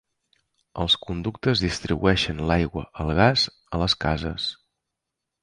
Els conductes distribueixen l'aigua, el gas, a les cases.